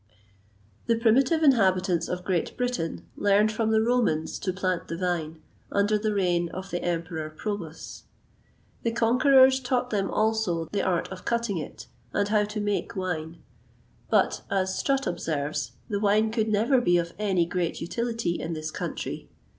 The primitive inhabitants of Great Britain learned from the Romans to plant the vine, under the reign of the Emperor Probus. The conquerors taught them also the art of cutting it, and how to make wine. But, as Strutt observes, the vine could never be of any great utility in this country.